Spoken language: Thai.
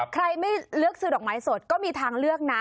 ใครไม่เลือกซื้อดอกไม้สดก็มีทางเลือกนะ